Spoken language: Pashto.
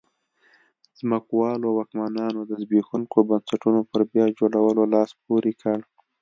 ځمکوالو واکمنانو د زبېښونکو بنسټونو پر بیا جوړولو لاس پورې کړ.